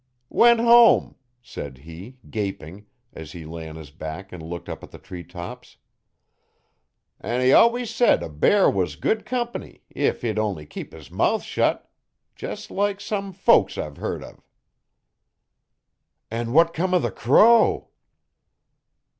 'Went home,' said he, gaping, as he lay on his back and looked up at the tree tops. 'An' he allwus said a bear was good comp'ny if he'd only keep his mouth shet jes' like some folks I've hearn uv.' 'An' what 'come o' the crow?'